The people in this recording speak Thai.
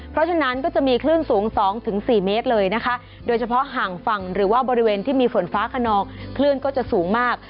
เพราะฉะนั้นก็จะมีคลื่นสูง๒๔เมตรเลยนะคะโดยเฉพาะห่างฝั่งหรือว่าบริเวณที่มีฝนฟ้าขนองคลื่นก็จะสูงมาก